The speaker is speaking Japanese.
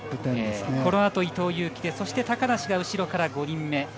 このあと伊藤有希で高梨が後ろから５人目。